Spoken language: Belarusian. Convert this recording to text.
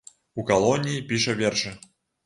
У калоніі піша вершы.